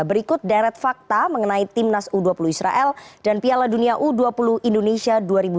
berikut deret fakta mengenai timnas u dua puluh israel dan piala dunia u dua puluh indonesia dua ribu dua puluh